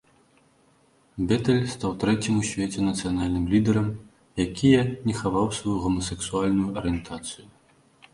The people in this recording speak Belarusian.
Бетэль стаў трэцім у свеце нацыянальным лідарам, якія не хаваў сваю гомасексуальную арыентацыю.